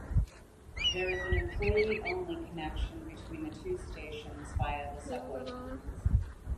There is an employee-only connection between the two stations via the subway tunnels.